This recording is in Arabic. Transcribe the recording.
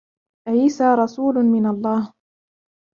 عيسى رسول من الله.